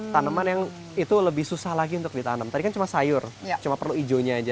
tanaman yang itu lebih susah lagi untuk ditanam tadi kan cuma sayur cuma perlu ijonya aja